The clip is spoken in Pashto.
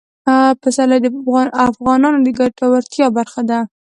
پسرلی د افغانانو د ګټورتیا برخه ده.